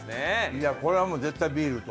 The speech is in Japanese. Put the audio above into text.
いやこれはもう絶対ビールと。